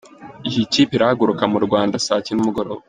Iyi kipe irahaguruka mu Rwanda saa cyenda z’umugoroba.